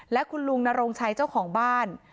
และคุณลุงนโรงชัยเจ้าของบ้าน